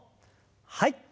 はい。